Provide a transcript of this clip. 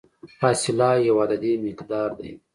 فاصله یو عددي مقدار دی.